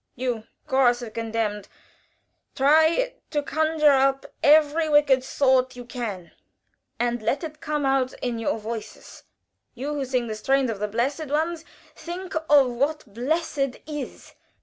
"You, Chorus of the Condemned, try to conjure up every wicked thought you can, and let it come out in your voices you who sing the strains of the blessed ones, think of what blessedness is.